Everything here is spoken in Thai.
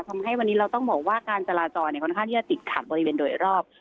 ทำให้วันนี้เราต้องบอกว่าการจราจรค่อนข้างที่จะติดขัดบริเวณโดยรอบ